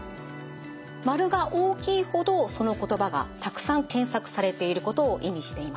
丸が大きいほどその言葉がたくさん検索されていることを意味しています。